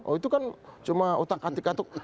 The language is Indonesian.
oh itu kan cuma otak katuk katuk